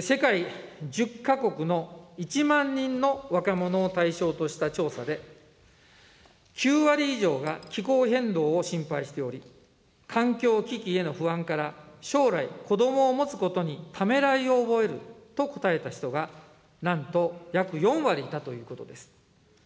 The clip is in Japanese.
世界１０か国の１万人の若者を対象とした調査で、９割以上が気候変動を心配しており、環境危機への不安から、将来子どもを持つことにためらいを覚えると答えた人が、なんと約４割いたということです。